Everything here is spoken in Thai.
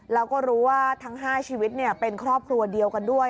แล้วก็รู้ว่าทั้ง๕ชีวิตเป็นครอบครัวเดียวกันด้วย